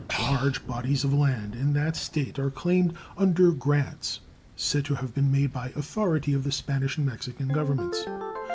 Large bodies of land in that State are claimed under grants said to have been made by authority of the Spanish and Mexican Governments.